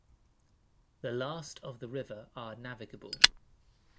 The last of the river are navigable.